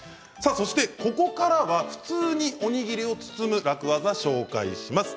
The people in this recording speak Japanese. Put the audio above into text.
ここからは普通におにぎりを包む楽ワザを紹介します。